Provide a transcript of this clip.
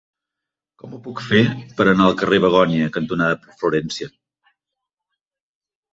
Com ho puc fer per anar al carrer Begònia cantonada Florència?